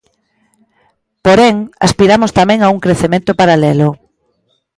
Porén, aspiramos tamén a un crecemento paralelo.